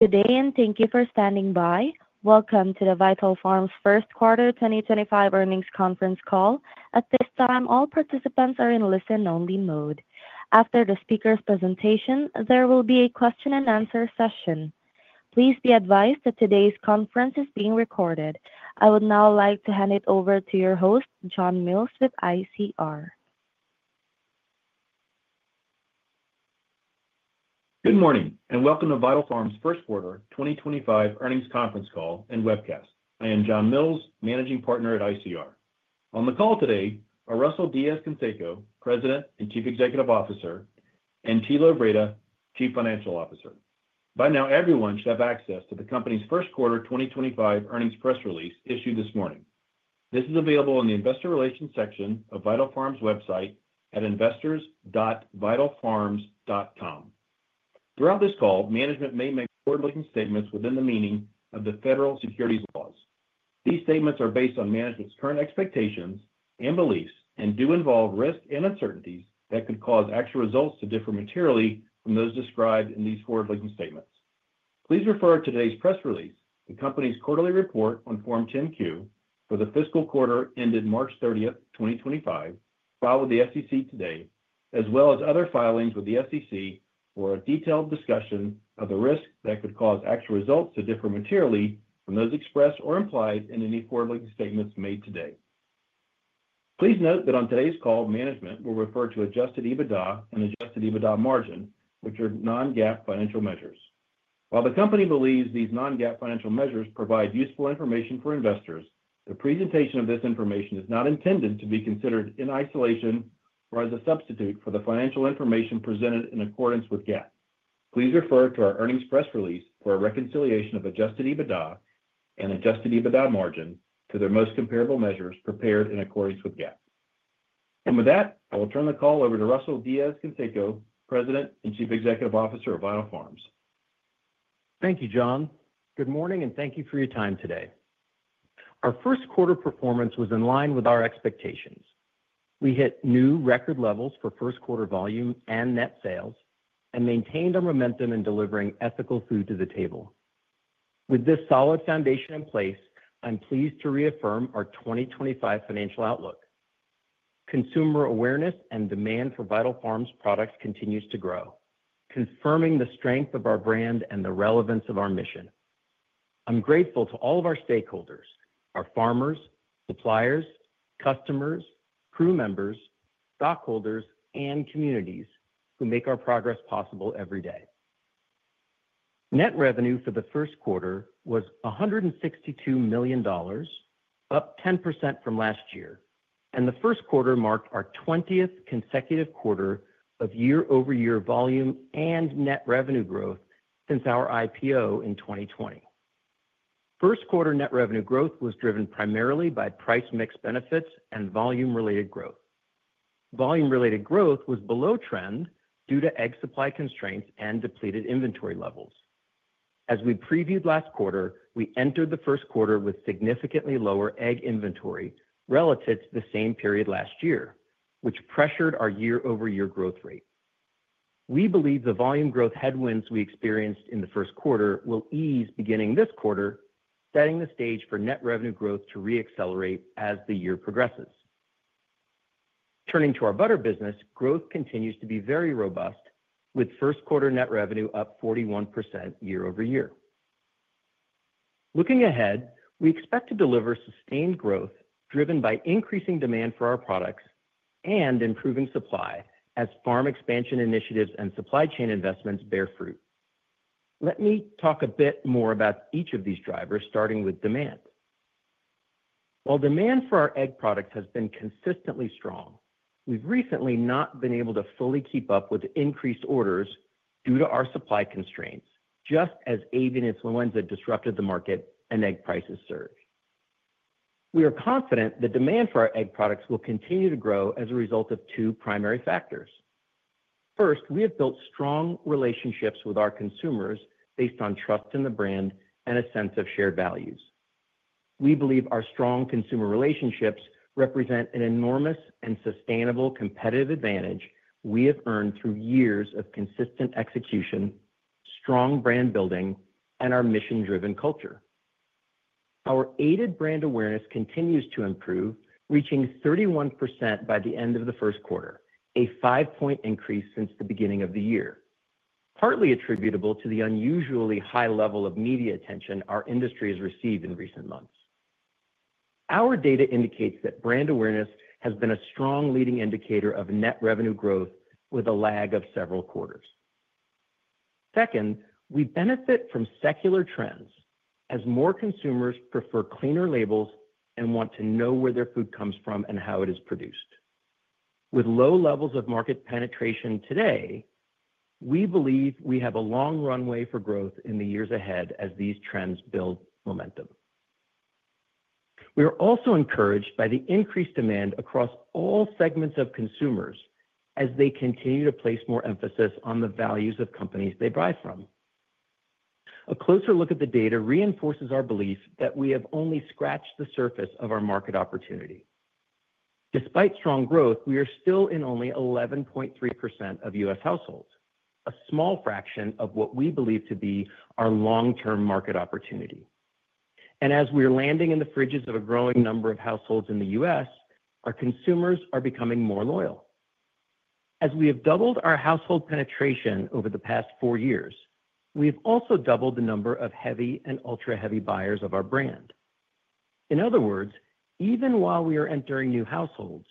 Good day, and thank you for standing by. Welcome to the Vital Farms First Quarter 2025 earnings conference call. At this time, all participants are in listen-only mode. After the speaker's presentation, there will be a question-and-answer session. Please be advised that today's conference is being recorded. I would now like to hand it over to your host, John Mills, with ICR. Good morning, and welcome to Vital Farms First Quarter 2025 earnings conference call and webcast. I am John Mills, Managing Partner at ICR. On the call today are Russell Diez-Canseco, President and Chief Executive Officer, and Thilo Wrede, Chief Financial Officer. By now, everyone should have access to the company's First Quarter 2025 earnings press release issued this morning. This is available in the Investor Relations section of Vital Farms website at investors.vitalfarms.com. Throughout this call, management may make forward-looking statements within the meaning of the federal securities laws. These statements are based on management's current expectations and beliefs and do involve risk and uncertainties that could cause actual results to differ materially from those described in these forward-looking statements. Please refer to today's press release, the company's quarterly report on Form 10-Q for the fiscal quarter ended March 30th, 2025, filed with the SEC today, as well as other filings with the SEC for a detailed discussion of the risk that could cause actual results to differ materially from those expressed or implied in any forward-looking statements made today. Please note that on today's call, management will refer to Adjusted EBITDA and Adjusted EBITDA margin, which are non-GAAP financial measures. While the company believes these non-GAAP financial measures provide useful information for investors, the presentation of this information is not intended to be considered in isolation or as a substitute for the financial information presented in accordance with GAAP. Please refer to our earnings press release for a reconciliation of Adjusted EBITDA and Adjusted EBITDA margin to their most comparable measures prepared in accordance with GAAP. With that, I will turn the call over to Russell Diez-Canseco, President and Chief Executive Officer of Vital Farms. Thank you, John. Good morning, and thank you for your time today. Our first quarter performance was in line with our expectations. We hit new record levels for first quarter volume and net sales and maintained our momentum in delivering ethical food to the table. With this solid foundation in place, I'm pleased to reaffirm our 2025 financial outlook. Consumer awareness and demand for Vital Farms products continues to grow, confirming the strength of our brand and the relevance of our mission. I'm grateful to all of our stakeholders, our farmers, suppliers, customers, crew members, stockholders, and communities who make our progress possible every day. Net revenue for the first quarter was $162 million, up 10% from last year, and the first quarter marked our 20th consecutive quarter of year-over-year volume and net revenue growth since our IPO in 2020. First quarter net revenue growth was driven primarily by price-mix benefits and volume-related growth. Volume-related growth was below trend due to egg supply constraints and depleted inventory levels. As we previewed last quarter, we entered the first quarter with significantly lower egg inventory relative to the same period last year, which pressured our year-over-year growth rate. We believe the volume growth headwinds we experienced in the first quarter will ease beginning this quarter, setting the stage for net revenue growth to re-accelerate as the year progresses. Turning to our butter business, growth continues to be very robust, with first quarter net revenue up 41% year-over-year. Looking ahead, we expect to deliver sustained growth driven by increasing demand for our products and improving supply as farm expansion initiatives and supply chain investments bear fruit. Let me talk a bit more about each of these drivers, starting with demand. While demand for our egg products has been consistently strong, we've recently not been able to fully keep up with increased orders due to our supply constraints, just as avian influenza disrupted the market and egg prices surged. We are confident the demand for our egg products will continue to grow as a result of two primary factors. First, we have built strong relationships with our consumers based on trust in the brand and a sense of shared values. We believe our strong consumer relationships represent an enormous and sustainable competitive advantage we have earned through years of consistent execution, strong brand building, and our mission-driven culture. Our aided brand awareness continues to improve, reaching 31% by the end of the first quarter, a five-point increase since the beginning of the year, partly attributable to the unusually high level of media attention our industry has received in recent months. Our data indicates that brand awareness has been a strong leading indicator of net revenue growth with a lag of several quarters. Second, we benefit from secular trends as more consumers prefer cleaner labels and want to know where their food comes from and how it is produced. With low levels of market penetration today, we believe we have a long runway for growth in the years ahead as these trends build momentum. We are also encouraged by the increased demand across all segments of consumers as they continue to place more emphasis on the values of companies they buy from. A closer look at the data reinforces our belief that we have only scratched the surface of our market opportunity. Despite strong growth, we are still in only 11.3% of U.S. households, a small fraction of what we believe to be our long-term market opportunity. As we are landing in the fridges of a growing number of households in the U.S., our consumers are becoming more loyal. As we have doubled our household penetration over the past four years, we have also doubled the number of heavy and ultra-heavy buyers of our brand. In other words, even while we are entering new households,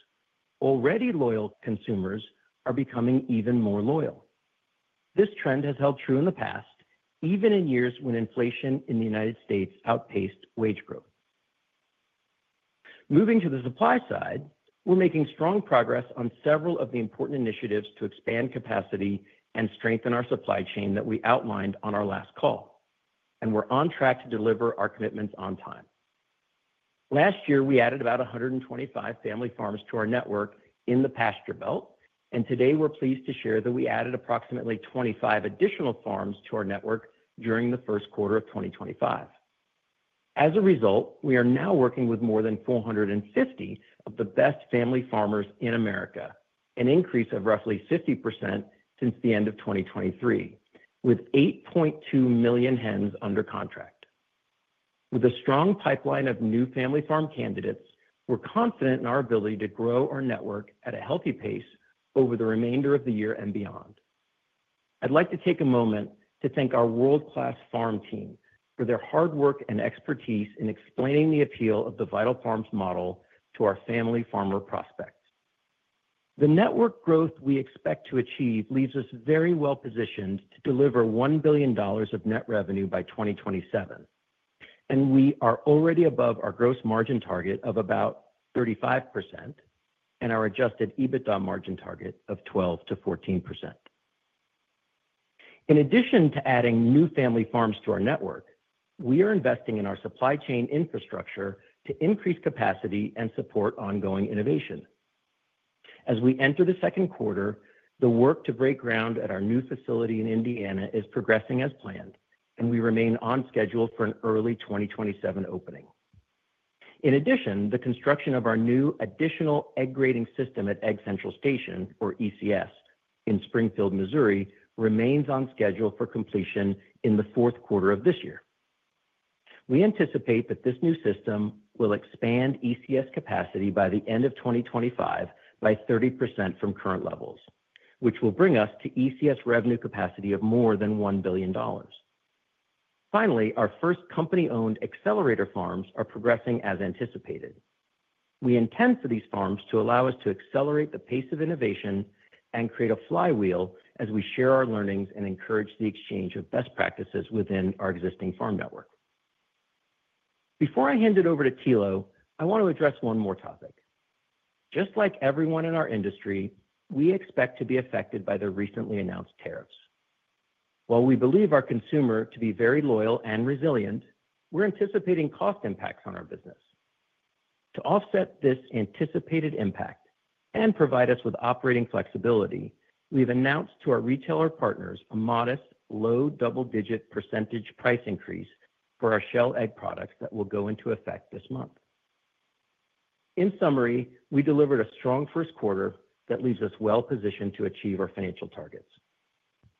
already loyal consumers are becoming even more loyal. This trend has held true in the past, even in years when inflation in the United States outpaced wage growth. Moving to the supply side, we're making strong progress on several of the important initiatives to expand capacity and strengthen our supply chain that we outlined on our last call, and we're on track to deliver our commitments on time. Last year, we added about 125 family farms to our network in the pasture belt, and today we're pleased to share that we added approximately 25 additional farms to our network during the first quarter of 2025. As a result, we are now working with more than 450 of the best family farmers in America, an increase of roughly 50% since the end of 2023, with 8.2 million hens under contract. With a strong pipeline of new family farm candidates, we're confident in our ability to grow our network at a healthy pace over the remainder of the year and beyond. I'd like to take a moment to thank our world-class farm team for their hard work and expertise in explaining the appeal of the Vital Farms model to our family farmer prospects. The network growth we expect to achieve leaves us very well positioned to deliver $1 billion of net revenue by 2027, and we are already above our gross margin target of about 35% and our Adjusted EBITDA margin target of 12%-14%. In addition to adding new family farms to our network, we are investing in our supply chain infrastructure to increase capacity and support ongoing innovation. As we enter the second quarter, the work to break ground at our new facility in Indiana is progressing as planned, and we remain on schedule for an early 2027 opening. In addition, the construction of our new additional egg-grading system at Egg Central Station, or ECS, in Springfield, Missouri, remains on schedule for completion in the fourth quarter of this year. We anticipate that this new system will expand ECS capacity by the end of 2025 by 30% from current levels, which will bring us to ECS revenue capacity of more than $1 billion. Finally, our first company-owned accelerator farms are progressing as anticipated. We intend for these farms to allow us to accelerate the pace of innovation and create a flywheel as we share our learnings and encourage the exchange of best practices within our existing farm network. Before I hand it over to Thilo, I want to address one more topic. Just like everyone in our industry, we expect to be affected by the recently announced tariffs. While we believe our consumer to be very loyal and resilient, we're anticipating cost impacts on our business. To offset this anticipated impact and provide us with operating flexibility, we've announced to our retailer partners a modest low double-digit % price increase for our shell egg products that will go into effect this month. In summary, we delivered a strong first quarter that leaves us well positioned to achieve our financial targets.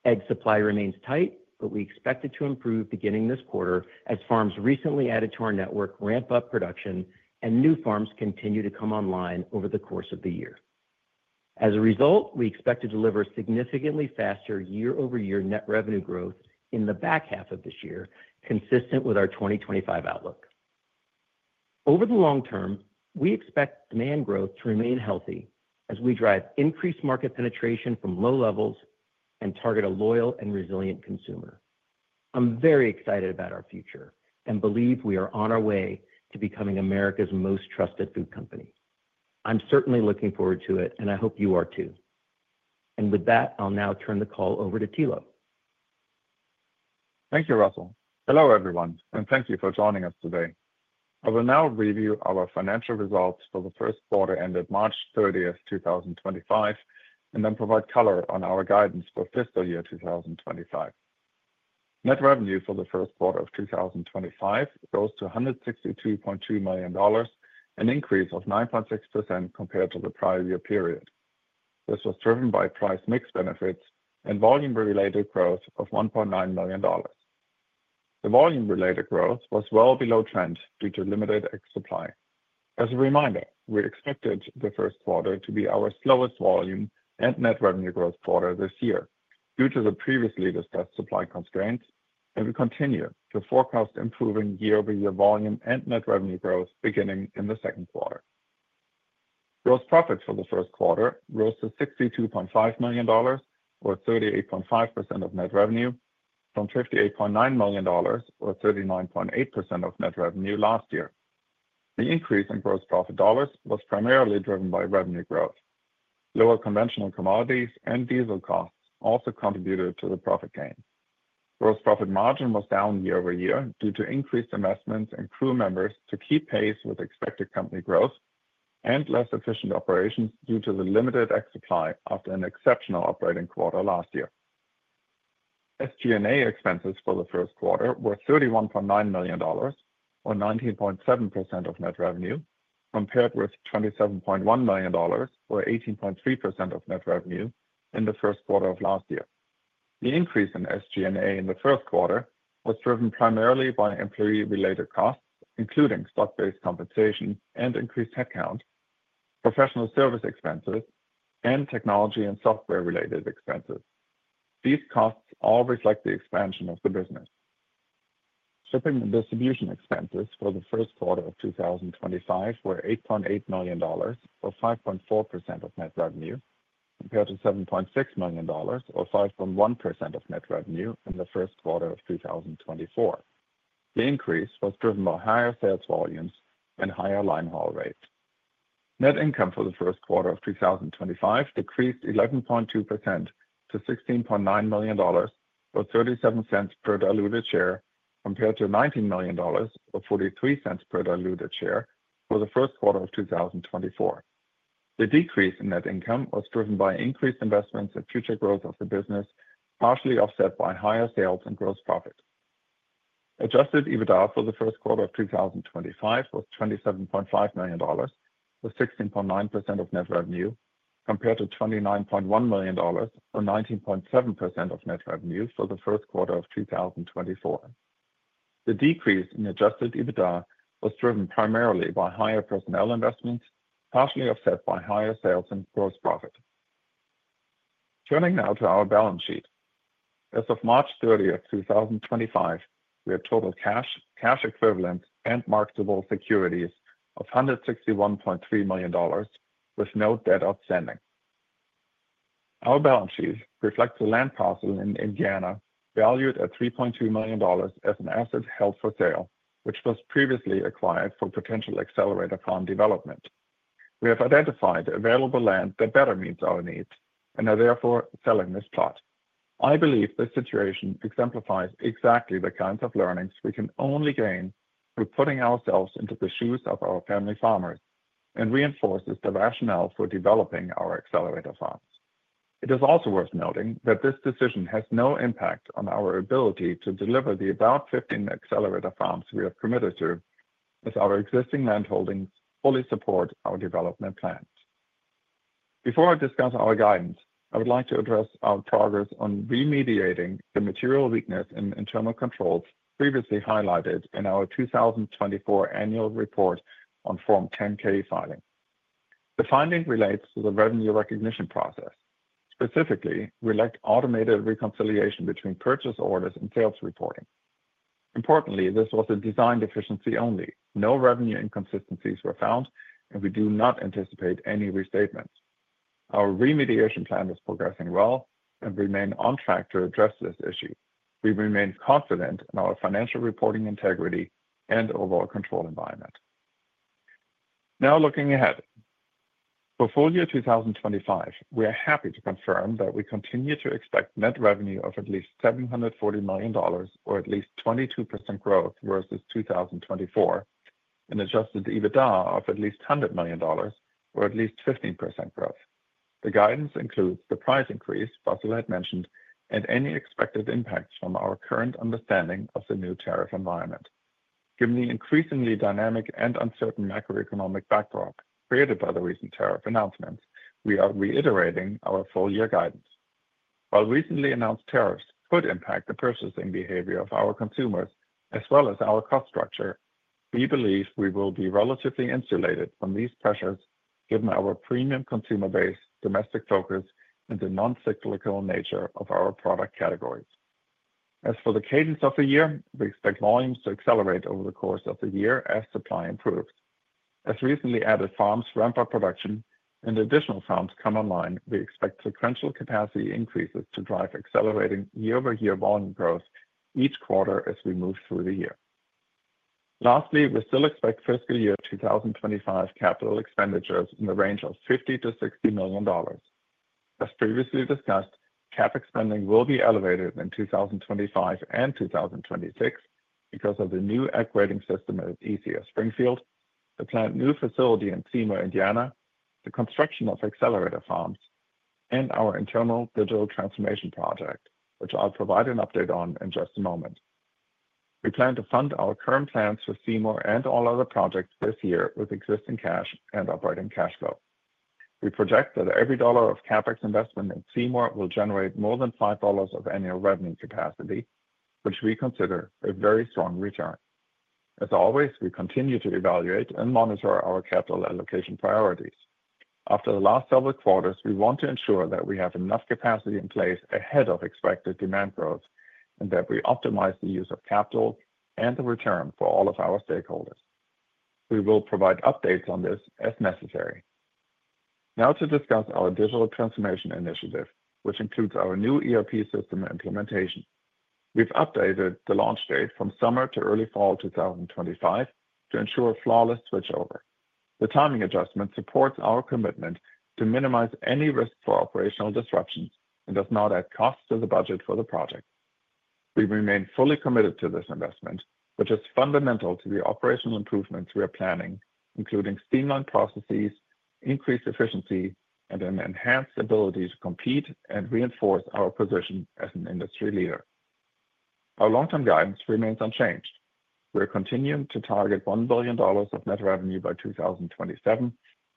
Egg supply remains tight, but we expect it to improve beginning this quarter as farms recently added to our network ramp up production and new farms continue to come online over the course of the year. As a result, we expect to deliver significantly faster year-over-year net revenue growth in the back half of this year, consistent with our 2025 outlook. Over the long term, we expect demand growth to remain healthy as we drive increased market penetration from low levels and target a loyal and resilient consumer. I'm very excited about our future and believe we are on our way to becoming America's most trusted food company. I'm certainly looking forward to it, and I hope you are too. With that, I'll now turn the call over to Thilo. Thank you, Russell. Hello everyone, and thank you for joining us today. I will now review our financial results for the first quarter ended March 30, 2025, and then provide color on our guidance for fiscal year 2025. Net revenue for the first quarter of 2025 was $162.2 million, an increase of 9.6% compared to the prior year period. This was driven by price-mix benefits and volume-related growth of $1.9 million. The volume-related growth was well below trend due to limited egg supply. As a reminder, we expected the first quarter to be our slowest volume and net revenue growth quarter this year due to the previously discussed supply constraints, and we continue to forecast improving year-over-year volume and net revenue growth beginning in the second quarter. Gross profits for the first quarter rose to $62.5 million, or 38.5% of net revenue, from $58.9 million, or 39.8% of net revenue last year. The increase in gross profit dollars was primarily driven by revenue growth. Lower conventional commodities and diesel costs also contributed to the profit gain. Gross profit margin was down year-over-year due to increased investments and crew members to keep pace with expected company growth and less efficient operations due to the limited egg supply after an exceptional operating quarter last year. SG&A expenses for the first quarter were $31.9 million, or 19.7% of net revenue, compared with $27.1 million, or 18.3% of net revenue in the first quarter of last year. The increase in SG&A in the first quarter was driven primarily by employee-related costs, including stock-based compensation and increased headcount, professional service expenses, and technology and software-related expenses. These costs all reflect the expansion of the business. Shipping and distribution expenses for the first quarter of 2025 were $8.8 million, or 5.4% of net revenue, compared to $7.6 million, or 5.1% of net revenue in the first quarter of 2024. The increase was driven by higher sales volumes and higher line haul rates. Net income for the first quarter of 2025 decreased 11.2% to $16.9 million, or $0.37 per diluted share, compared to $19 million, or $0.43 per diluted share for the first quarter of 2024. The decrease in net income was driven by increased investments and future growth of the business, partially offset by higher sales and gross profit. Adjusted EBITDA for the first quarter of 2025 was $27.5 million, or 16.9% of net revenue, compared to $29.1 million, or 19.7% of net revenue for the first quarter of 2024. The decrease in Adjusted EBITDA was driven primarily by higher personnel investments, partially offset by higher sales and gross profit. Turning now to our balance sheet, as of March 30, 2025, we had total cash, cash equivalents, and marketable securities of $161.3 million, with no debt outstanding. Our balance sheet reflects a land parcel in Indiana valued at $3.2 million as an asset held for sale, which was previously acquired for potential accelerator farm development. We have identified available land that better meets our needs and are therefore selling this plot. I believe this situation exemplifies exactly the kinds of learnings we can only gain through putting ourselves into the shoes of our family farmers and reinforces the rationale for developing our accelerator farms. It is also worth noting that this decision has no impact on our ability to deliver the about 15 accelerator farms we have committed to, as our existing land holdings fully support our development plans. Before I discuss our guidance, I would like to address our progress on remediating the material weakness in internal controls previously highlighted in our 2024 annual report on Form 10-K filing. The finding relates to the revenue recognition process. Specifically, we lacked automated reconciliation between purchase orders and sales reporting. Importantly, this was a design deficiency only. No revenue inconsistencies were found, and we do not anticipate any restatements. Our remediation plan is progressing well and remains on track to address this issue. We remain confident in our financial reporting integrity and overall control environment. Now looking ahead, for full year 2025, we are happy to confirm that we continue to expect net revenue of at least $740 million, or at least 22% growth versus 2024, and Adjusted EBITDA of at least $100 million, or at least 15% growth. The guidance includes the price increase Russell had mentioned and any expected impacts from our current understanding of the new tariff environment. Given the increasingly dynamic and uncertain macroeconomic backdrop created by the recent tariff announcements, we are reiterating our full year guidance. While recently announced tariffs could impact the purchasing behavior of our consumers as well as our cost structure, we believe we will be relatively insulated from these pressures given our premium consumer-based domestic focus and the noncyclical nature of our product categories. As for the cadence of the year, we expect volumes to accelerate over the course of the year as supply improves. As recently added farms ramp up production and additional farms come online, we expect sequential capacity increases to drive accelerating year-over-year volume growth each quarter as we move through the year. Lastly, we still expect fiscal year 2025 capital expenditures in the range of $50-$60 million. As previously discussed, CapEx spending will be elevated in 2025 and 2026 because of the new egg-grading system at ECS Springfield, the planned new facility in Seymour, Indiana, the construction of accelerator farms, and our internal digital transformation project, which I'll provide an update on in just a moment. We plan to fund our current plans for Seymour and all other projects this year with existing cash and operating cash flow. We project that every dollar of CapEx investment in Seymour will generate more than $5 of annual revenue capacity, which we consider a very strong return. As always, we continue to evaluate and monitor our capital allocation priorities. After the last several quarters, we want to ensure that we have enough capacity in place ahead of expected demand growth and that we optimize the use of capital and the return for all of our stakeholders. We will provide updates on this as necessary. Now to discuss our digital transformation initiative, which includes our new ERP system implementation. We have updated the launch date from summer to early fall 2025 to ensure a flawless switchover. The timing adjustment supports our commitment to minimize any risk for operational disruptions and does not add costs to the budget for the project. We remain fully committed to this investment, which is fundamental to the operational improvements we are planning, including streamlined processes, increased efficiency, and an enhanced ability to compete and reinforce our position as an industry leader. Our long-term guidance remains unchanged. We are continuing to target $1 billion of net revenue by 2027,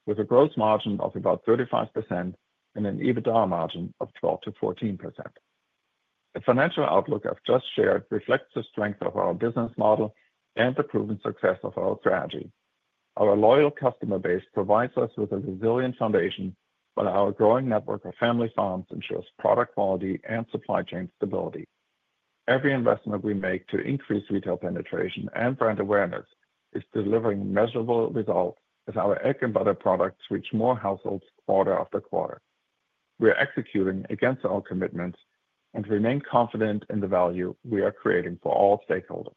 with a gross margin of about 35% and an EBITDA margin of 12-14%. The financial outlook I've just shared reflects the strength of our business model and the proven success of our strategy. Our loyal customer base provides us with a resilient foundation, while our growing network of family farms ensures product quality and supply chain stability. Every investment we make to increase retail penetration and brand awareness is delivering measurable results as our egg and butter products reach more households quarter after quarter. We are executing against our commitments and remain confident in the value we are creating for all stakeholders.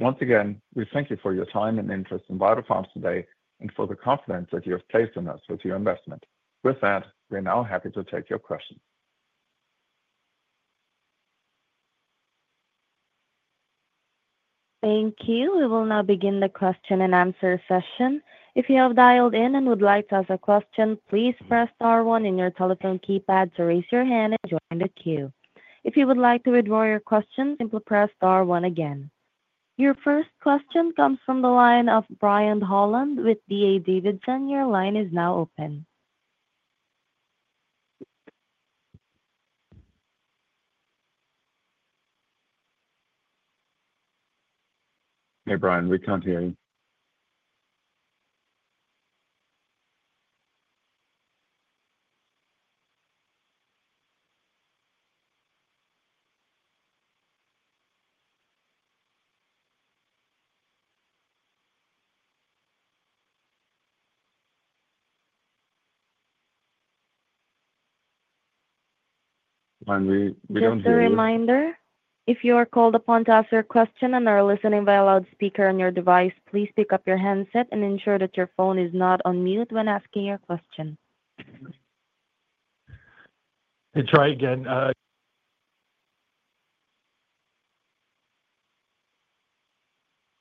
Once again, we thank you for your time and interest in Vital Farms today and for the confidence that you have placed in us with your investment. With that, we're now happy to take your questions. Thank you. We will now begin the question and answer session. If you have dialed in and would like to ask a question, please press star one on your telephone keypad to raise your hand and join the queue. If you would like to withdraw your question, simply press star one again. Your first question comes from the line of Brian Holland with D.A.Davidson. Your line is now open. Hey, Brian, we can't hear you. Brian, we do not hear you. Just a reminder, if you are called upon to ask your question and are listening via loudspeaker on your device, please pick up your handset and ensure that your phone is not on mute when asking your question. Hey, try again.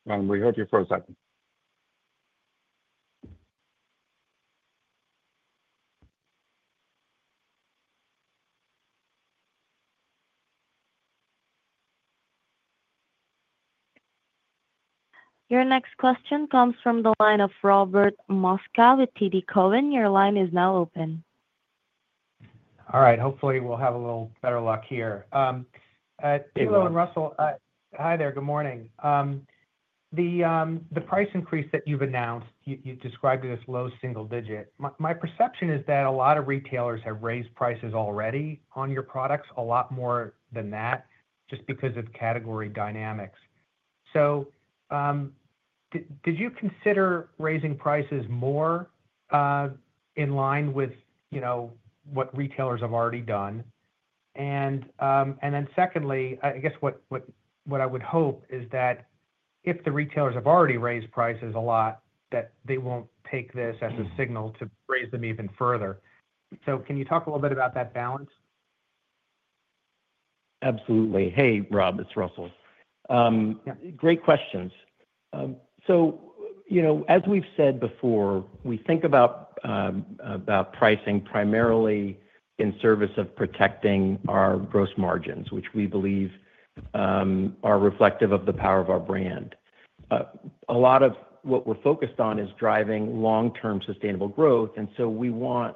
Brian, we heard you for a second. Your next question comes from the line of Robert Moskow with TD Cowen. Your line is now open. All right. Hopefully, we'll have a little better luck here. Thilo and Russell, hi there. Good morning. The price increase that you've announced, you described it as low single digit. My perception is that a lot of retailers have raised prices already on your products, a lot more than that, just because of category dynamics. Did you consider raising prices more in line with what retailers have already done? Secondly, I guess what I would hope is that if the retailers have already raised prices a lot, that they won't take this as a signal to raise them even further. Can you talk a little bit about that balance? Absolutely. Hey, Rob, it's Russell. Great questions. As we've said before, we think about pricing primarily in service of protecting our gross margins, which we believe are reflective of the power of our brand. A lot of what we're focused on is driving long-term sustainable growth. We want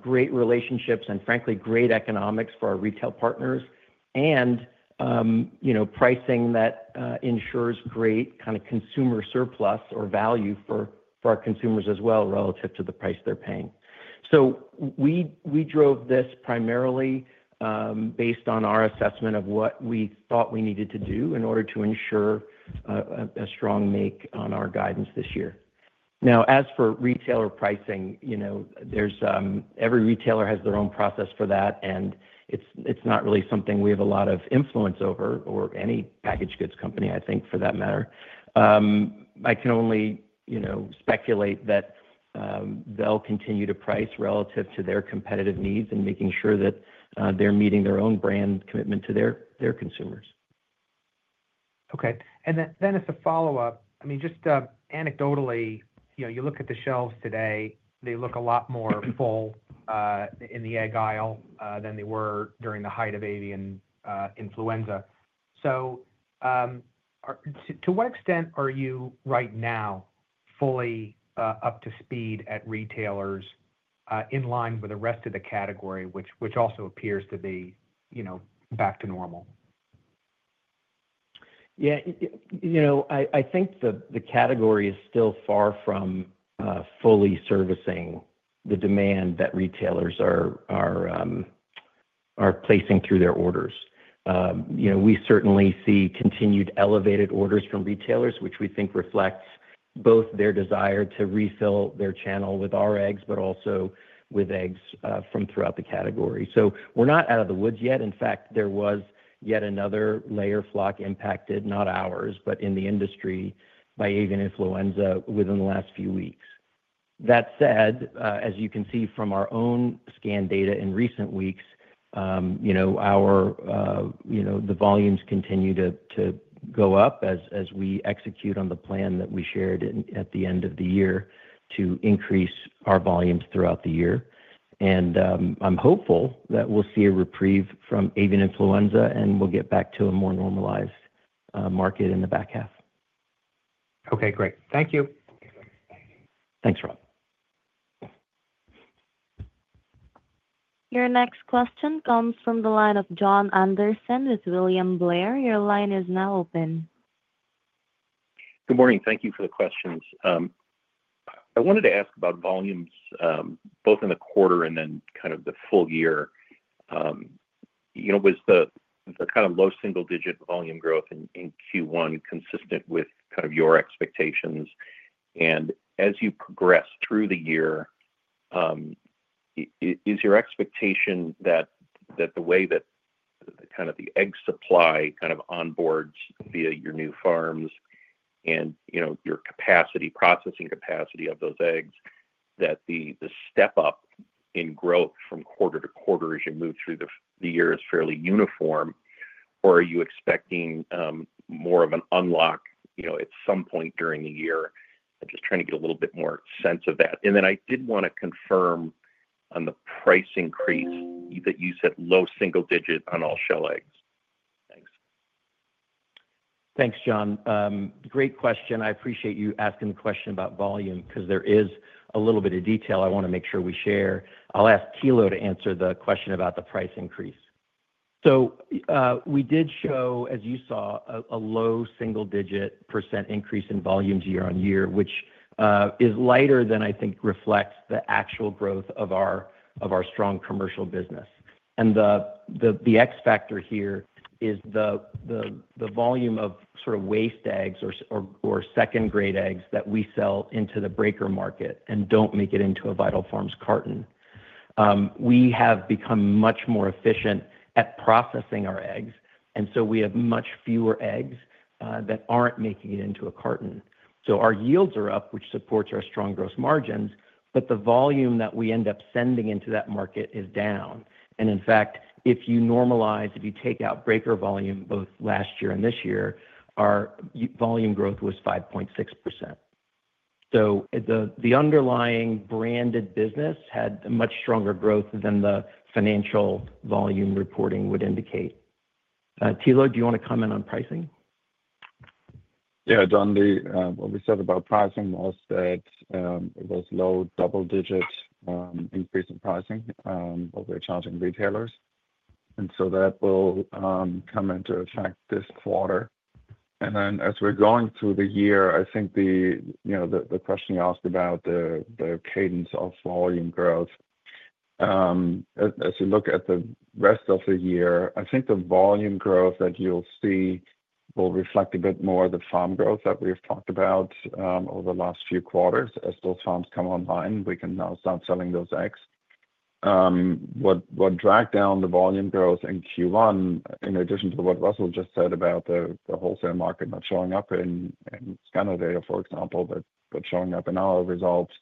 great relationships and, frankly, great economics for our retail partners and pricing that ensures great kind of consumer surplus or value for our consumers as well relative to the price they're paying. We drove this primarily based on our assessment of what we thought we needed to do in order to ensure a strong make on our guidance this year. As for retailer pricing, every retailer has their own process for that, and it's not really something we have a lot of influence over, or any packaged goods company, I think, for that matter. I can only speculate that they'll continue to price relative to their competitive needs and making sure that they're meeting their own brand commitment to their consumers. Okay. And then as a follow-up, I mean, just anecdotally, you look at the shelves today, they look a lot more full in the egg aisle than they were during the height of avian influenza. To what extent are you right now fully up to speed at retailers in line with the rest of the category, which also appears to be back to normal? Yeah. I think the category is still far from fully servicing the demand that retailers are placing through their orders. We certainly see continued elevated orders from retailers, which we think reflects both their desire to refill their channel with our eggs, but also with eggs from throughout the category. We're not out of the woods yet. In fact, there was yet another layer of flock impacted, not ours, but in the industry by avian influenza within the last few weeks. That said, as you can see from our own scan data in recent weeks, the volumes continue to go up as we execute on the plan that we shared at the end of the year to increase our volumes throughout the year. I'm hopeful that we'll see a reprieve from avian influenza and we'll get back to a more normalized market in the back half. Okay. Great. Thank you. Thanks, Rob. Your next question comes from the line of Jon Andersen with William Blair. Your line is now open. Good morning. Thank you for the questions. I wanted to ask about volumes both in the quarter and then kind of the full year. Was the kind of low single-digit volume growth in Q1 consistent with kind of your expectations? As you progress through the year, is your expectation that the way that kind of the egg supply kind of onboards via your new farms and your processing capacity of those eggs, that the step-up in growth from quarter to quarter as you move through the year is fairly uniform, or are you expecting more of an unlock at some point during the year? I'm just trying to get a little bit more sense of that. I did want to confirm on the price increase that you said low single digit on all shell eggs. Thanks. Thanks, John. Great question. I appreciate you asking the question about volume because there is a little bit of detail I want to make sure we share. I'll ask Thilo to answer the question about the price increase. We did show, as you saw, a low single-digit % increase in volume year on year, which is lighter than I think reflects the actual growth of our strong commercial business. The X factor here is the volume of sort of waste eggs or second-grade eggs that we sell into the breaker market and do not make it into a Vital Farms carton. We have become much more efficient at processing our eggs, and we have much fewer eggs that are not making it into a carton. Our yields are up, which supports our strong gross margins, but the volume that we end up sending into that market is down. In fact, if you normalize, if you take out breaker volume both last year and this year, our volume growth was 5.6%. The underlying branded business had much stronger growth than the financial volume reporting would indicate. Thilo, do you want to comment on pricing? Yeah. John, what we said about pricing was that it was low double-digit increase in pricing of our challenging retailers. That will come into effect this quarter. As we're going through the year, I think the question you asked about the cadence of volume growth, as you look at the rest of the year, I think the volume growth that you'll see will reflect a bit more of the farm growth that we have talked about over the last few quarters as those farms come online. We can now start selling those eggs. What dragged down the volume growth in Q1, in addition to what Russell just said about the wholesale market not showing up in Scandinavia, for example, but showing up in our results.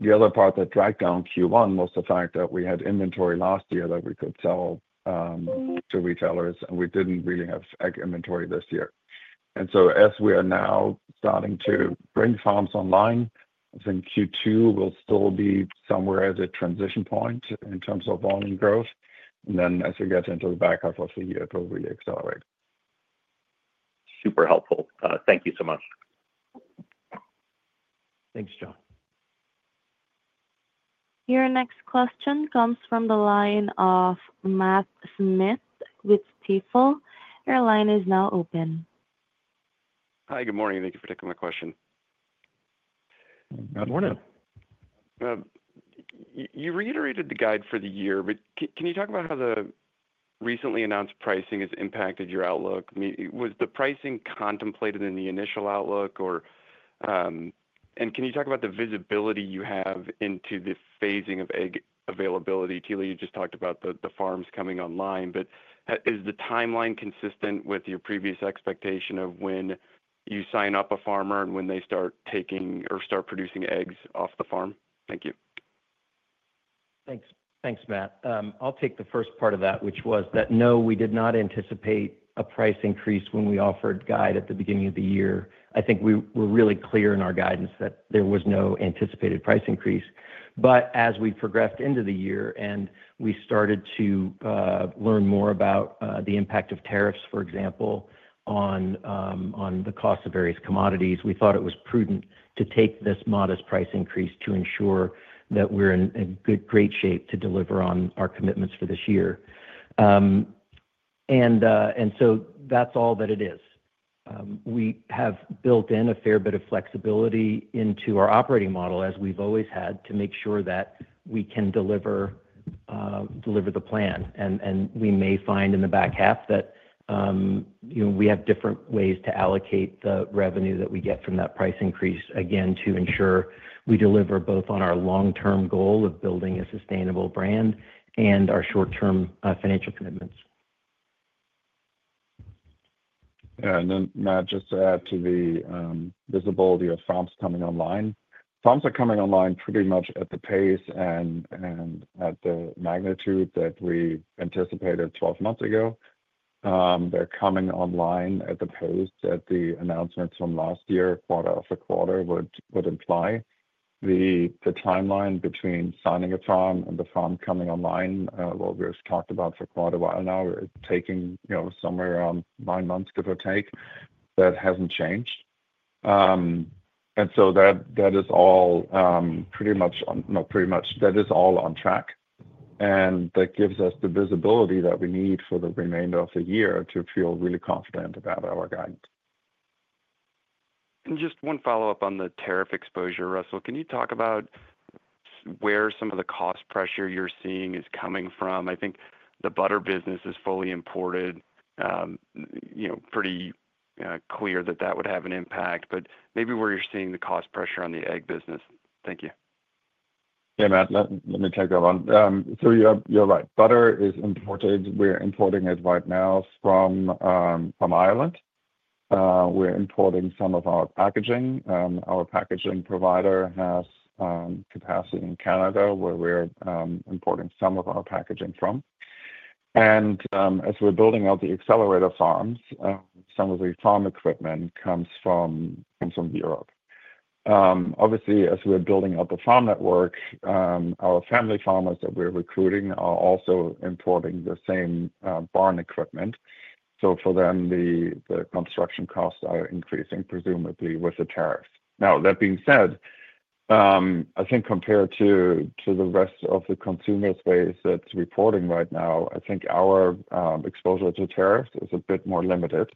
The other part that dragged down Q1 was the fact that we had inventory last year that we could sell to retailers, and we did not really have egg inventory this year. As we are now starting to bring farms online, I think Q2 will still be somewhere as a transition point in terms of volume growth. As we get into the back half of the year, it will really accelerate. Super helpful. Thank you so much. Thanks, John. Your next question comes from the line of Matt Smith with Stifel. Your line is now open. Hi, good morning. Thank you for taking my question. Good morning. You reiterated the guide for the year, but can you talk about how the recently announced pricing has impacted your outlook? Was the pricing contemplated in the initial outlook? Can you talk about the visibility you have into the phasing of egg availability? Thilo, you just talked about the farms coming online, but is the timeline consistent with your previous expectation of when you sign up a farmer and when they start taking or start producing eggs off the farm? Thank you. Thanks, Matt. I'll take the first part of that, which was that, no, we did not anticipate a price increase when we offered guide at the beginning of the year. I think we were really clear in our guidance that there was no anticipated price increase. As we progressed into the year and we started to learn more about the impact of tariffs, for example, on the cost of various commodities, we thought it was prudent to take this modest price increase to ensure that we're in great shape to deliver on our commitments for this year. That is all that it is. We have built in a fair bit of flexibility into our operating model as we've always had to make sure that we can deliver the plan. We may find in the back half that we have different ways to allocate the revenue that we get from that price increase, again, to ensure we deliver both on our long-term goal of building a sustainable brand and our short-term financial commitments. Yeah. Matt, just to add to the visibility of farms coming online. Farms are coming online pretty much at the pace and at the magnitude that we anticipated 12 months ago. They're coming online at the pace that the announcements from last year, quarter after quarter, would imply. The timeline between signing a farm and the farm coming online, what we've talked about for quite a while now, is taking somewhere around nine months, give or take. That hasn't changed. That is all pretty much, not pretty much, that is all on track. That gives us the visibility that we need for the remainder of the year to feel really confident about our guidance. Just one follow-up on the tariff exposure, Russell. Can you talk about where some of the cost pressure you're seeing is coming from? I think the butter business is fully imported. Pretty clear that that would have an impact. Maybe where you're seeing the cost pressure on the egg business. Thank you. Yeah, Matt. Let me take that one. You're right. Butter is imported. We're importing it right now from Ireland. We're importing some of our packaging. Our packaging provider has capacity in Canada where we're importing some of our packaging from. As we're building out the accelerator farms, some of the farm equipment comes from Europe. Obviously, as we're building out the farm network, our family farmers that we're recruiting are also importing the same barn equipment. For them, the construction costs are increasing, presumably with the tariffs. That being said, I think compared to the rest of the consumer space that's reporting right now, I think our exposure to tariffs is a bit more limited.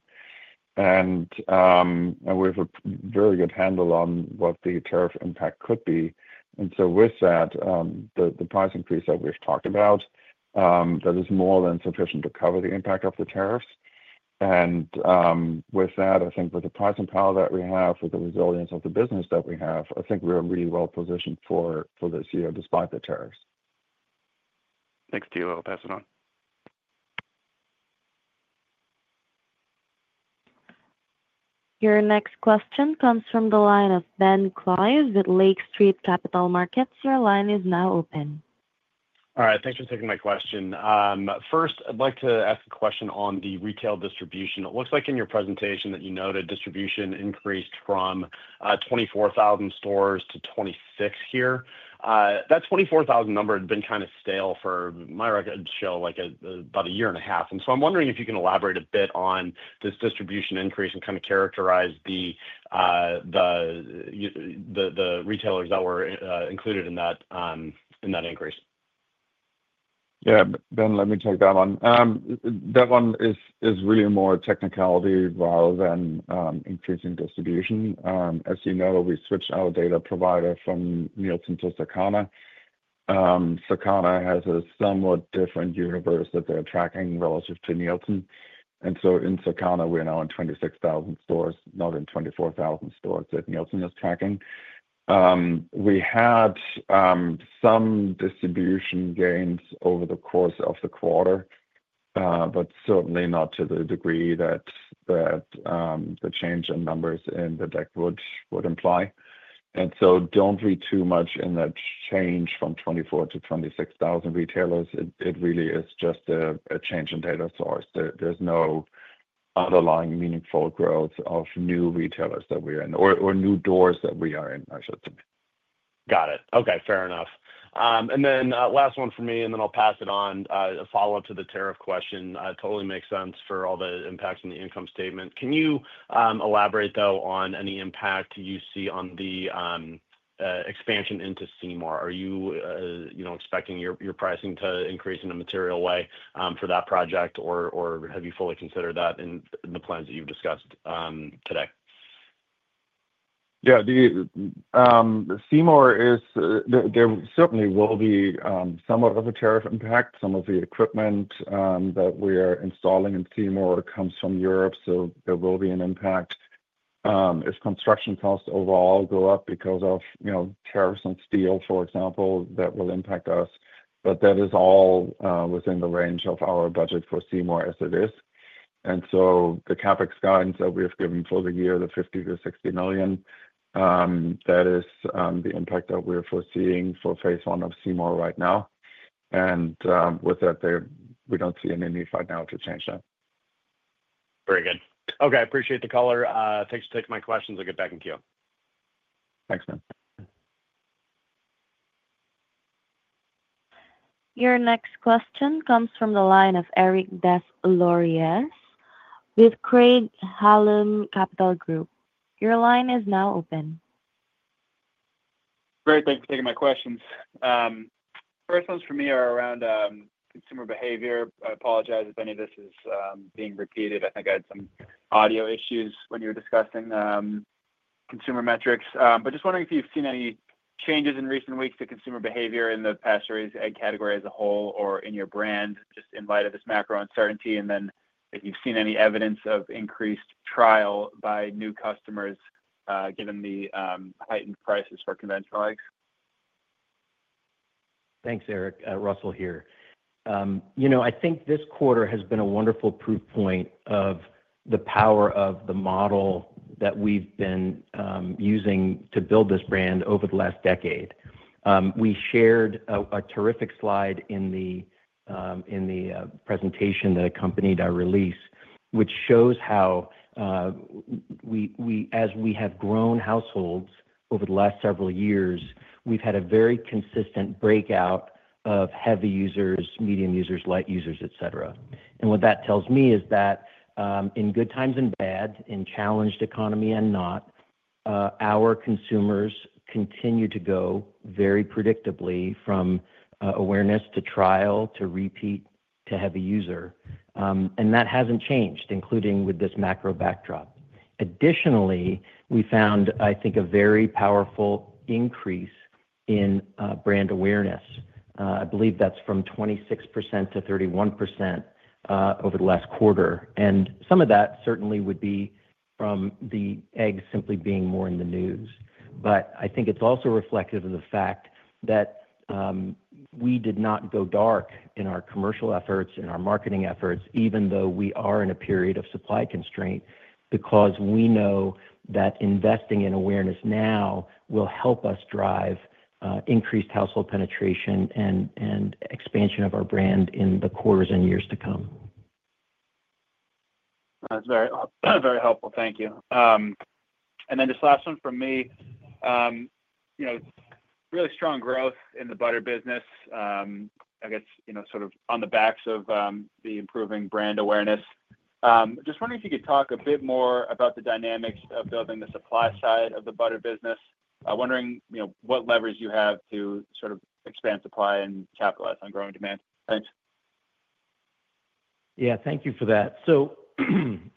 We have a very good handle on what the tariff impact could be. The price increase that we've talked about is more than sufficient to cover the impact of the tariffs. With the pricing power that we have, with the resilience of the business that we have, I think we're really well positioned for this year despite the tariffs. Thanks, Thilo. I'll pass it on. Your next question comes from the line of Ben Klieve with Lake Street Capital Markets. Your line is now open. All right. Thanks for taking my question. First, I'd like to ask a question on the retail distribution. It looks like in your presentation that you noted distribution increased from 24,000 stores to 26,000. That 24,000 number had been kind of stale for, my records show, about a year and a half. I am wondering if you can elaborate a bit on this distribution increase and kind of characterize the retailers that were included in that increase. Yeah. Ben, let me take that one. That one is really more technicality rather than increasing distribution. As you know, we switched our data provider from Nielsen to Circana. Circana has a somewhat different universe that they're tracking relative to Nielsen. And so in Circana, we are now in 26,000 stores, not in 24,000 stores that Nielsen is tracking. We had some distribution gains over the course of the quarter, but certainly not to the degree that the change in numbers in the deck would imply. And so do not read too much in that change from 24,000 to 26,000 retailers. It really is just a change in data source. There is no underlying meaningful growth of new retailers that we are in or new doors that we are in, I should say. Got it. Okay. Fair enough. Last one for me, and then I'll pass it on. A follow-up to the tariff question. Totally makes sense for all the impacts in the income statement. Can you elaborate, though, on any impact you see on the expansion into Seymour? Are you expecting your pricing to increase in a material way for that project, or have you fully considered that in the plans that you've discussed today? Yeah. Seymour, there certainly will be somewhat of a tariff impact. Some of the equipment that we are installing in Seymour comes from Europe, so there will be an impact. If construction costs overall go up because of tariffs on steel, for example, that will impact us. That is all within the range of our budget for Seymour as it is. The CapEx guidance that we have given for the year, the $50-60 million, that is the impact that we're foreseeing for phase one of Seymour right now. With that, we do not see an indeed right now to change that. Very good. Okay. I appreciate the color. Thanks for taking my questions. I'll get back in queue. Thanks, Matt. Your next question comes from the line of Eric Des Lauriers with Craig-Hallum Capital Group. Your line is now open. Great. Thanks for taking my questions. First ones for me are around consumer behavior. I apologize if any of this is being repeated. I think I had some audio issues when you were discussing consumer metrics. Just wondering if you've seen any changes in recent weeks to consumer behavior in the pasture egg category as a whole or in your brand, just in light of this macro uncertainty, and if you've seen any evidence of increased trial by new customers given the heightened prices for conventional eggs. Thanks, Eric. Russell here. I think this quarter has been a wonderful proof point of the power of the model that we've been using to build this brand over the last decade. We shared a terrific slide in the presentation that accompanied our release, which shows how, as we have grown households over the last several years, we've had a very consistent breakout of heavy users, medium users, light users, etc. What that tells me is that in good times and bad, in challenged economy and not, our consumers continue to go very predictably from awareness to trial to repeat to heavy user. That hasn't changed, including with this macro backdrop. Additionally, we found, I think, a very powerful increase in brand awareness. I believe that's from 26% to 31% over the last quarter. Some of that certainly would be from the eggs simply being more in the news. I think it's also reflective of the fact that we did not go dark in our commercial efforts, in our marketing efforts, even though we are in a period of supply constraint, because we know that investing in awareness now will help us drive increased household penetration and expansion of our brand in the quarters and years to come. That's very helpful. Thank you. Just last one for me. Really strong growth in the butter business, I guess, sort of on the backs of the improving brand awareness. Just wondering if you could talk a bit more about the dynamics of building the supply side of the butter business. Wondering what levers you have to sort of expand supply and capitalize on growing demand. Thanks. Yeah. Thank you for that.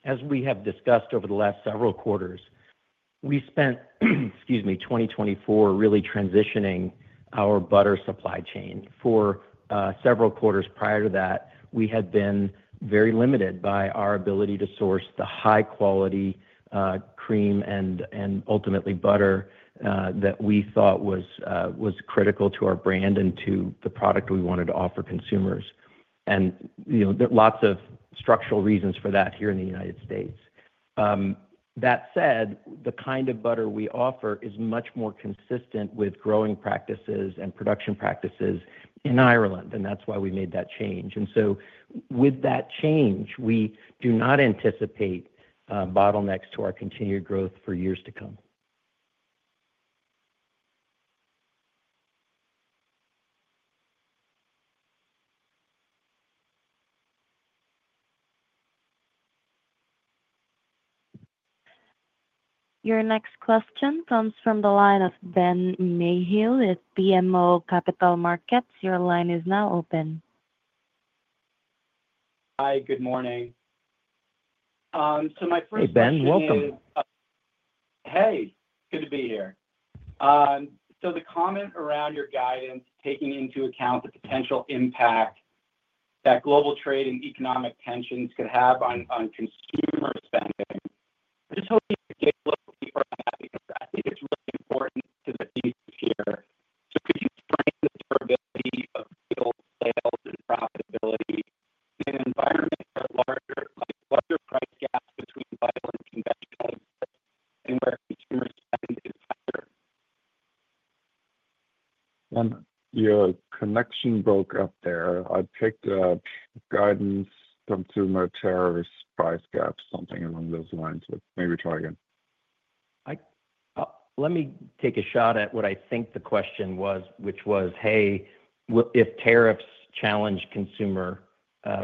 As we have discussed over the last several quarters, we spent, excuse me, 2024 really transitioning our butter supply chain. For several quarters prior to that, we had been very limited by our ability to source the high-quality cream and ultimately butter that we thought was critical to our brand and to the product we wanted to offer consumers. There are lots of structural reasons for that here in the United States. That said, the kind of butter we offer is much more consistent with growing practices and production practices in Ireland, and that's why we made that change. With that change, we do not anticipate bottlenecks to our continued growth for years to come. Your next question comes from the line of Ben Mayhew with BMO Capital Markets. Your line is now open. Hi. Good morning. My first question is. Hey, Ben. Welcome. Hey. Good to be here. The comment around your guidance taking into account the potential impact that global trade and economic tensions could have on consumer spending, I just hope you can take a look before that because I think it's really important to the thesis here. Could you explain the durability of sales and profitability in an environment where larger price gaps between butter and conventional exist and where consumer spend is higher? Your connection broke up there. I picked guidance, consumer tariffs, price gaps, something along those lines, but maybe try again. Let me take a shot at what I think the question was, which was, "Hey, if tariffs challenge consumer,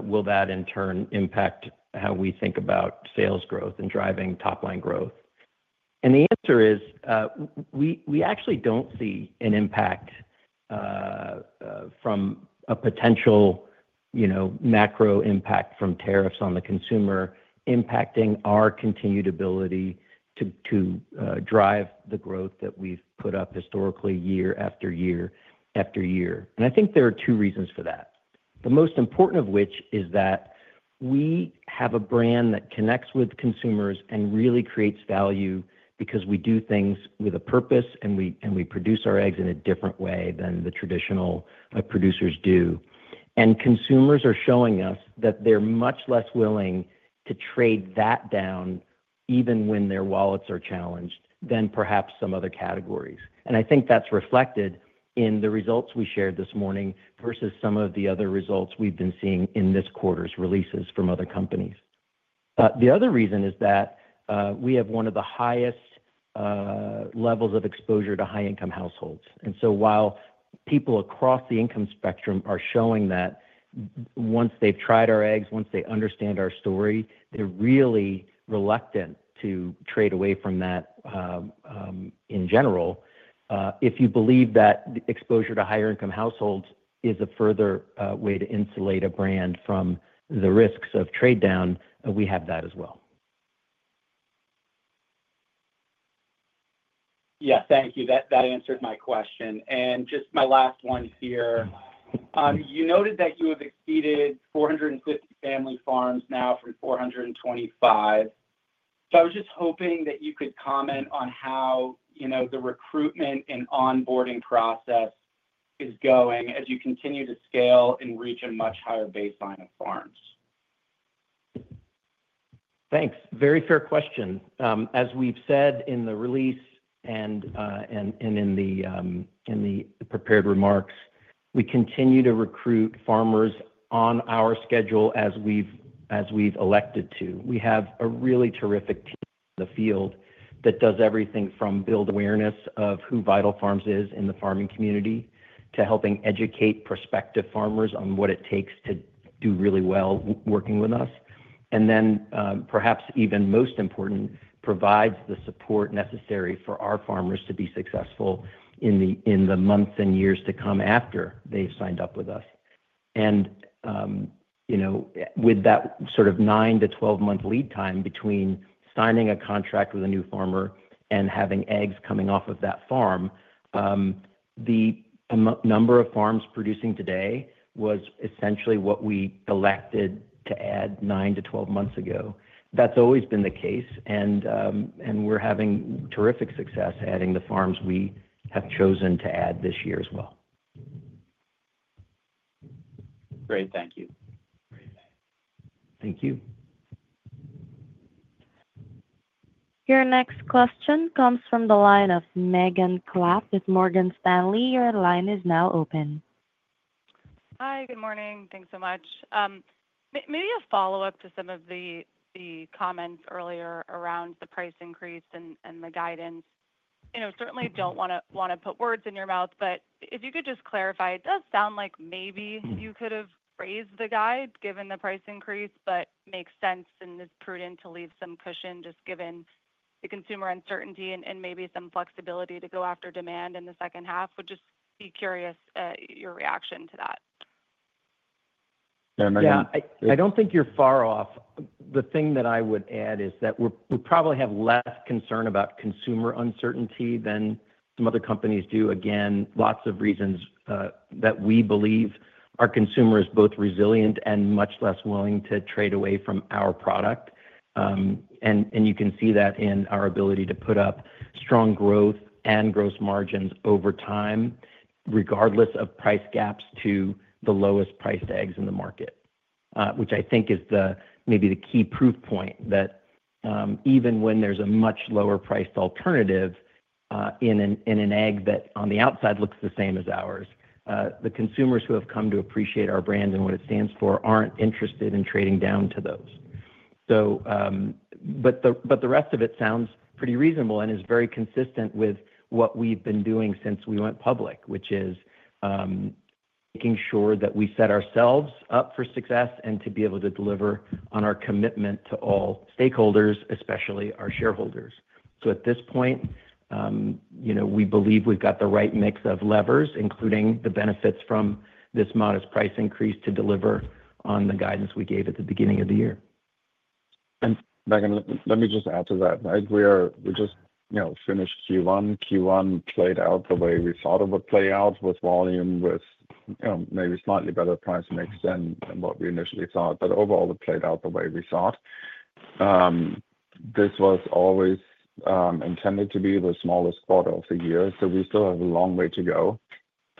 will that in turn impact how we think about sales growth and driving top-line growth?" The answer is we actually do not see an impact from a potential macro impact from tariffs on the consumer impacting our continued ability to drive the growth that we have put up historically year after year after year. I think there are two reasons for that. The most important of which is that we have a brand that connects with consumers and really creates value because we do things with a purpose, and we produce our eggs in a different way than the traditional producers do. Consumers are showing us that they are much less willing to trade that down even when their wallets are challenged than perhaps some other categories. I think that's reflected in the results we shared this morning versus some of the other results we've been seeing in this quarter's releases from other companies. The other reason is that we have one of the highest levels of exposure to high-income households. While people across the income spectrum are showing that once they've tried our eggs, once they understand our story, they're really reluctant to trade away from that in general. If you believe that exposure to higher-income households is a further way to insulate a brand from the risks of trade down, we have that as well. Yeah. Thank you. That answered my question. Just my last one here. You noted that you have exceeded 450 family farms now from 425. I was just hoping that you could comment on how the recruitment and onboarding process is going as you continue to scale and reach a much higher baseline of farms. Thanks. Very fair question. As we've said in the release and in the prepared remarks, we continue to recruit farmers on our schedule as we've elected to. We have a really terrific team in the field that does everything from building awareness of who Vital Farms is in the farming community to helping educate prospective farmers on what it takes to do really well working with us. Perhaps even most important, provides the support necessary for our farmers to be successful in the months and years to come after they've signed up with us. With that sort of 9-12 month lead time between signing a contract with a new farmer and having eggs coming off of that farm, the number of farms producing today was essentially what we elected to add 9-12 months ago. That's always been the case, and we're having terrific success adding the farms we have chosen to add this year as well. Great. Thank you. Thank you. Your next question comes from the line of Megan Clapp with Morgan Stanley. Your line is now open. Hi. Good morning. Thanks so much. Maybe a follow-up to some of the comments earlier around the price increase and the guidance. Certainly do not want to put words in your mouth, but if you could just clarify, it does sound like maybe you could have phrased the guide given the price increase, but makes sense and is prudent to leave some cushion just given the consumer uncertainty and maybe some flexibility to go after demand in the second half. Would just be curious your reaction to that. Yeah. I don't think you're far off. The thing that I would add is that we probably have less concern about consumer uncertainty than some other companies do. Again, lots of reasons that we believe our consumer is both resilient and much less willing to trade away from our product. You can see that in our ability to put up strong growth and gross margins over time, regardless of price gaps to the lowest priced eggs in the market, which I think is maybe the key proof point that even when there's a much lower-priced alternative in an egg that on the outside looks the same as ours, the consumers who have come to appreciate our brand and what it stands for aren't interested in trading down to those. The rest of it sounds pretty reasonable and is very consistent with what we've been doing since we went public, which is making sure that we set ourselves up for success and to be able to deliver on our commitment to all stakeholders, especially our shareholders. At this point, we believe we've got the right mix of levers, including the benefits from this modest price increase to deliver on the guidance we gave at the beginning of the year. Megan, let me just add to that. We just finished Q1. Q1 played out the way we thought it would play out with volume, with maybe slightly better price mix than what we initially thought. Overall, it played out the way we thought. This was always intended to be the smallest quarter of the year. We still have a long way to go.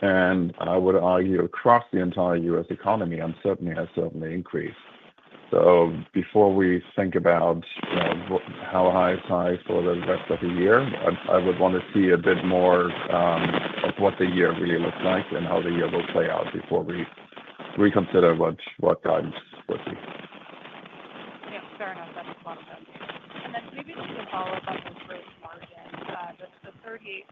I would argue across the entire U.S. economy, uncertainty has certainly increased. Before we think about how high is high for the rest of the year, I would want to see a bit more of what the year really looks like and how the year will play out before we reconsider what guidance would be. Yeah. Fair enough. That makes a lot of sense. And then maybe just to follow up on the gross margin, the 38.5%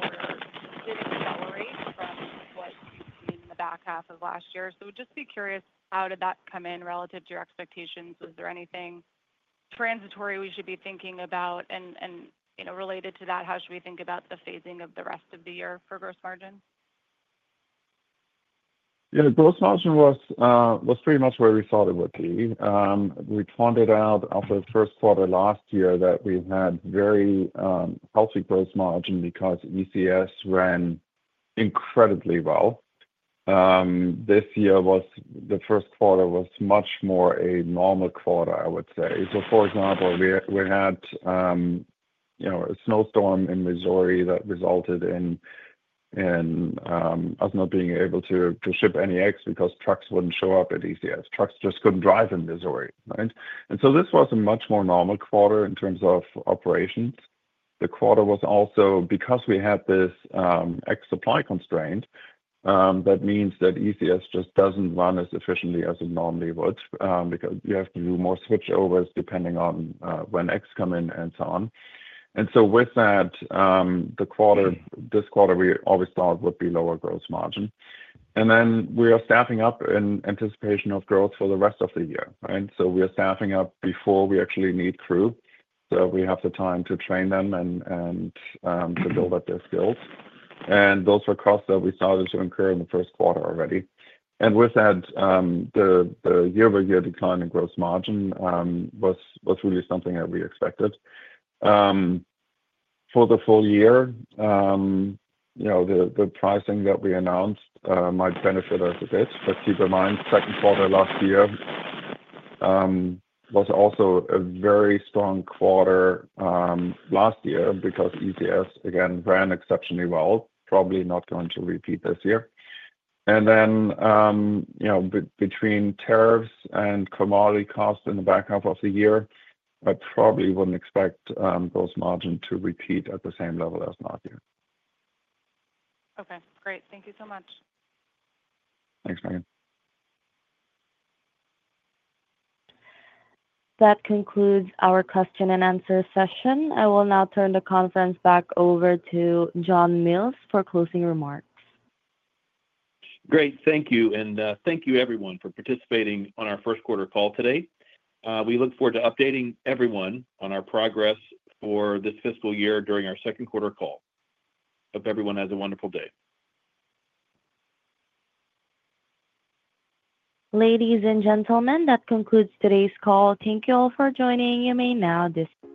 quarter did accelerate from what you've seen in the back half of last year. Just be curious, how did that come in relative to your expectations? Was there anything transitory we should be thinking about? And related to that, how should we think about the phasing of the rest of the year for gross margin? Yeah. Gross margin was pretty much where we thought it would be. We pointed out after the first quarter last year that we had very healthy gross margin because ECS ran incredibly well. This year, the first quarter was much more a normal quarter, I would say. For example, we had a snowstorm in Missouri that resulted in us not being able to ship any eggs because trucks would not show up at ECS. Trucks just could not drive in Missouri, right? This was a much more normal quarter in terms of operations. The quarter was also because we had this egg supply constraint, that means that ECS just does not run as efficiently as it normally would because you have to do more switchovers depending on when eggs come in and so on. With that, this quarter we always thought would be lower gross margin. We are staffing up in anticipation of growth for the rest of the year, right? We are staffing up before we actually need crew so we have the time to train them and to build up their skills. Those were costs that we started to incur in the first quarter already. With that, the year-over-year decline in gross margin was really something that we expected. For the full year, the pricing that we announced might benefit us a bit. Keep in mind, second quarter last year was also a very strong quarter last year because ECS, again, ran exceptionally well, probably not going to repeat this year. Between tariffs and commodity costs in the back half of the year, I probably would not expect gross margin to repeat at the same level as last year. Okay. Great. Thank you so much. Thanks, Megan. That concludes our question and answer session. I will now turn the conference back over to John Mills for closing remarks. Great. Thank you. Thank you, everyone, for participating on our first quarter call today. We look forward to updating everyone on our progress for this fiscal year during our second quarter call. Hope everyone has a wonderful day. Ladies and gentlemen, that concludes today's call. Thank you all for joining. You may now disconnect.